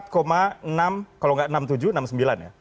kalau enggak enam tujuh enam sembilan ya